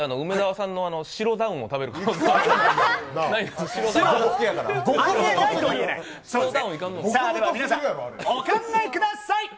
さあ皆さん、お考えください。